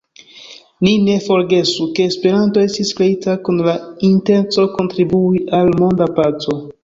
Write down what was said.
Ni ne forgesu, ke Esperanto estis kreita kun la intenco kontribui al monda paco.